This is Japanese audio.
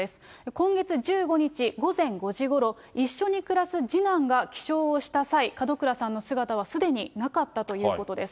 今月１５日午前５時ごろ、一緒に暮らす次男が起床した際、門倉さんの姿はすでになかったということです。